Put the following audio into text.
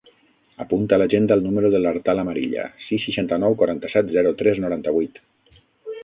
Apunta a l'agenda el número de l'Artal Amarilla: sis, seixanta-nou, quaranta-set, zero, tres, noranta-vuit.